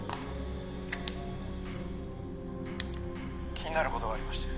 「気になる事がありまして」